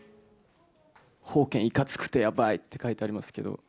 ほう煖、いかつくてやばいって書いてありますけど。